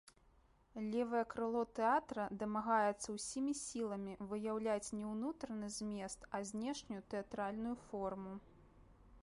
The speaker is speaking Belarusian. Левае крыло тэатра дамагаецца ўсімі сіламі выяўляць не ўнутраны змест, а знешнюю тэатральную форму.